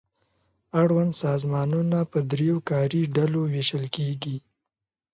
اړوند سازمانونه په دریو کاري ډلو وېشل کیږي.